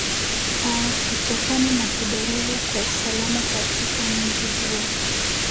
aa kutokana na kudorora kwa usalama katika mji huo